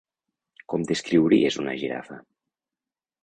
Com descriuries una girafa?